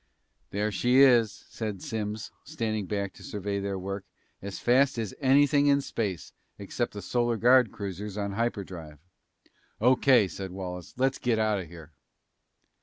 "There she is," said Simms, standing back to survey their work. "As fast as anything in space, except the Solar Guard cruisers on hyperdrive." "O.K.," said Wallace. "Let's get out of here!"